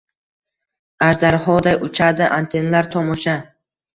Ajdarhoday uchadi antennalar tom osha.